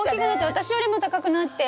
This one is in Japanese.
私よりも高くなって。